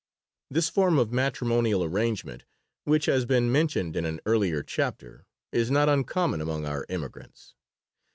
This form of matrimonial arrangement, which has been mentioned in an earlier chapter, is not uncommon among our immigrants.